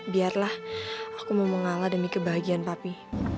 biarlah aku mau mengalah demi kebahagiaan papi